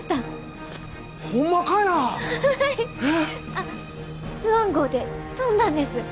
あっスワン号で飛んだんです。